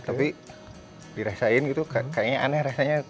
tapi dirasain gitu kayaknya aneh rasanya